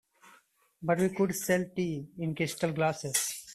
But we could sell tea in crystal glasses.